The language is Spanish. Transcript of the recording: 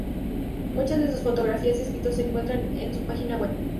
Muchas de sus fotografías y escritos se encuentran en su página web.